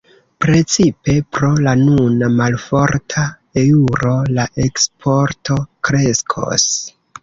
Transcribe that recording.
Precipe pro la nuna malforta eŭro la eksporto kreskos.